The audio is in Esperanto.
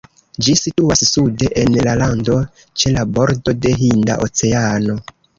Ĝi situas sude en la lando, ĉe la bordo de Hinda Oceano.